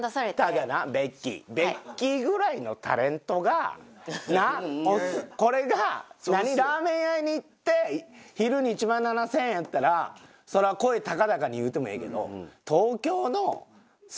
ただなベッキーベッキーぐらいのタレントがなっこれが何ラーメン屋に行って昼に１万７０００円やったらそら声高々に言うてもええけど。